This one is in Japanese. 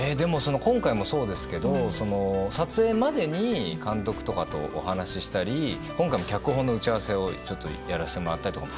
今回もそうですが撮影までに監督とかとお話ししたり今回も脚本の打ち合わせをやらせてもらったりとかも